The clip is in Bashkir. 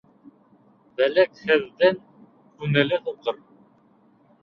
Белекһеҙҙең күңеле һуҡыр.